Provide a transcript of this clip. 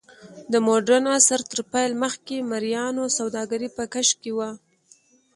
د موډرن عصر تر پیل مخکې مریانو سوداګري په کش کې وه.